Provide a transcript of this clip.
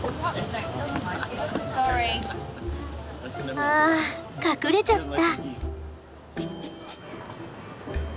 ああ隠れちゃった。